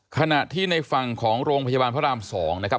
ขณะที่ในฝั่งของโรงพยาบาลพระราม๒นะครับ